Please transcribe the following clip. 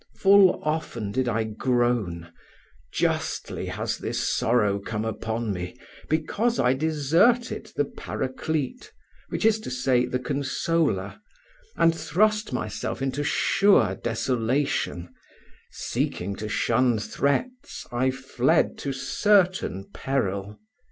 Full often did I groan: "Justly has this sorrow come upon me because I deserted the Paraclete, which is to say the Consoler, and thrust myself into sure desolation; seeking to shun threats I fled to certain peril."